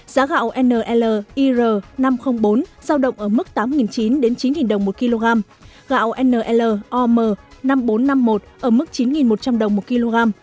giá gạo nlir năm trăm linh bốn giao động ở mức tám chín trăm linh đến chín đồng một kg gạo nlom năm nghìn bốn trăm năm mươi một ở mức chín một trăm linh đồng một kg